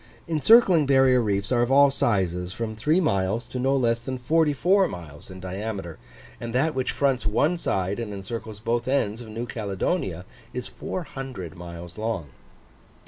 Encircling barrier reefs are of all sizes, from three miles to no less than forty four miles in diameter; and that which fronts one side, and encircles both ends, of New Caledonia, is 400 miles long.